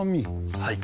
はい。